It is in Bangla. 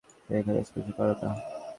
এখানে স্পর্শ কর না।